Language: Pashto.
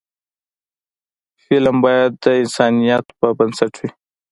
فلم باید د انسانیت پر بنسټ وي